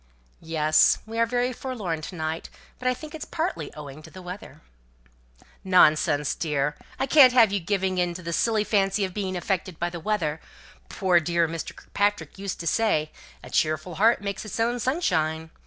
"Yes! We are very forlorn to night; but I think it's partly owing to the weather!" "Nonsense, dear. I can't have you giving in to the silly fancy of being affected by weather. Poor dear Mr. Kirkpatrick used to say, 'a cheerful heart makes its own sunshine.'